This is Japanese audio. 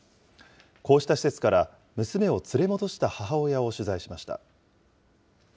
こうした施設から、娘を連れ戻した母親を取材しました。